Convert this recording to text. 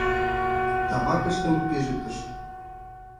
Тамакыштым пижыктышт.